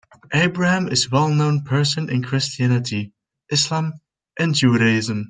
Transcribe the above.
Abraham is a well known person in Christianity, Islam and Judaism.